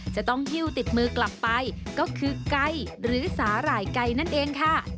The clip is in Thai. จะต้องหิ้วติดมือกลับไปก็คือไก่หรือสาหร่ายไก่นั่นเองค่ะ